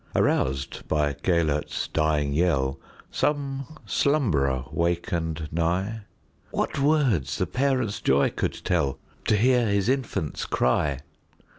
Aroused by Gêlert's dying yell, Some slumberer wakened nigh:What words the parent's joy could tellTo hear his infant's cry!